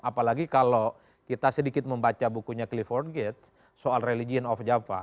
apalagi kalau kita sedikit membaca bukunya clifford gates soal religion of java